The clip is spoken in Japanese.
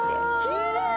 きれい！